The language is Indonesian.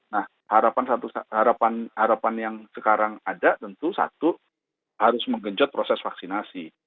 nah harapan yang sekarang ada tentu satu harus menggenjot proses vaksinasi